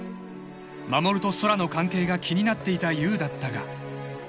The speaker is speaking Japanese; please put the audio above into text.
［衛と空の関係が気になっていた優だったが］